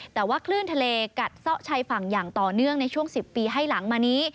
แต่ว่าคลื่นทะเลกัดซ่อชายฝั่งอย่างต่อเนื่องในช่วง๑๐ปีให้หลังมานี้